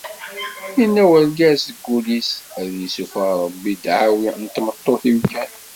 Yenna urgaz deg wul-is: ”Ad yessufeɣ Rebbi ddεawi n tmeṭṭut-iw kan."